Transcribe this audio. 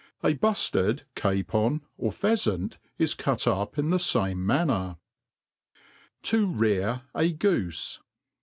A buftard, capon, or pheafant, is cut up in the fame man ner. To rear a Goofe.